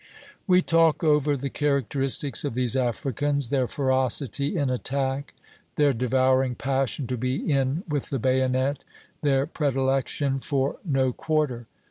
We talk over the characteristics of these Africans; their ferocity in attack, their devouring passion to be in with the bayonet, their predilection for "no quarter."